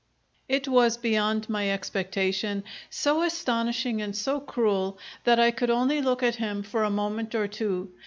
It was beyond my expectation, so astonishing and so cruel that I could only look at him for a moment or two.